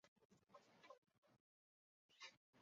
巨齿西南花楸为蔷薇科花楸属下的一个变种。